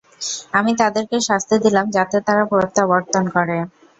আমি তাদেরকে শাস্তি দিলাম যাতে তারা প্রত্যাবর্তন করে।